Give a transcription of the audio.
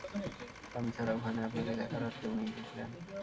আমি ছাড়া ওখানে আপনাকে দেখার আর কেউ নেই, বুঝলেন?